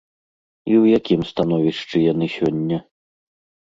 І ў якім становішчы яны сёння?